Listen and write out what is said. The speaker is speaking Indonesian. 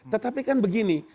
tetapi kan begini